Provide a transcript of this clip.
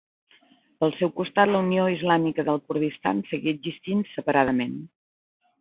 Pel seu costat la Unió Islàmica del Kurdistan seguia existint separadament.